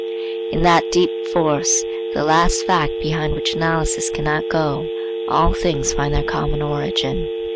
In that deep force, the last fact behind which analysis cannot go, all things find their common origin.